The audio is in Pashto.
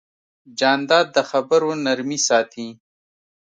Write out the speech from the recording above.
جانداد د خبرو نرمي ساتي.